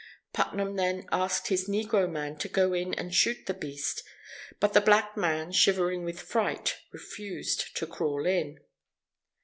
Putnam, then, asked his negro man to go in and shoot the beast. But the black man, shivering with fright, refused to crawl in.